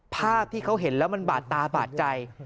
ภาพที่เขาเห็นแล้วมันบาดตาบาดใจ